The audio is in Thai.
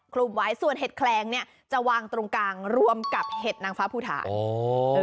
คลุมไว้ส่วนเห็ดแคลงเนี่ยจะวางตรงกลางรวมกับเห็ดนางฟ้าภูฐาน